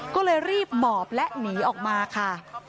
ก็เลยรีบหมอบและหนีออกมาค่ะ